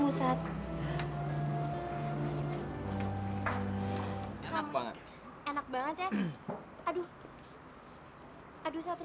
aku ngerasa aku gak pantas deket sama kamu sat